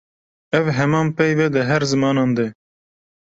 Ew heman peyv e di her zimanan de.